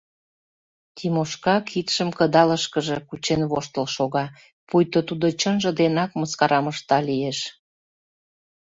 — Тимошка кидшым кыдалышкыже кучен воштыл шога, пуйто тудо чынже денак мыскарам ышта лиеш.